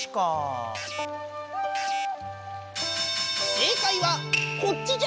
正解はこっちじゃ！